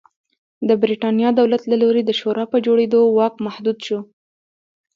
د برېټانیا دولت له لوري د شورا په جوړېدو واک محدود شو.